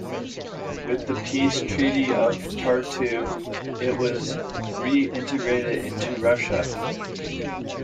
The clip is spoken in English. With the Peace Treaty of Tartu it was re-integrated into Russia.